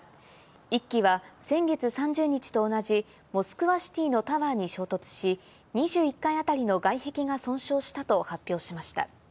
１機は先月３０日と同じモスクワシティのタワーに衝突し、２１階あたりの外壁が損傷したと発表しました。